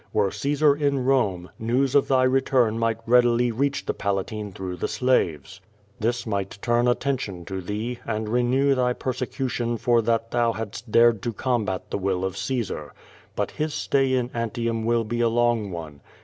Were Caesar in Rome, news of thy return might readily reach the Palatine through the slaves. QUO VADIiS. 2S5 This might turn attention to thee, and renew thy persecution for that thou hadst dared to combat the will of Caesar. ]^ut his stay in Antium will be a long one.